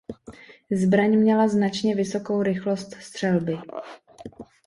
Zbraň měla značně vysokou rychlost střelby.